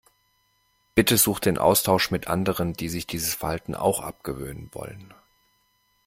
Bitte such den Austausch mit anderen, die sich dieses Verhalten auch abgewöhnen wollen.